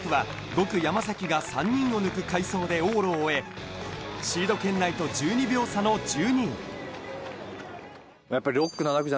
神奈川大学は５区・山崎が３人を抜く快走で往路を終え、シード圏内と１２秒差の１２位。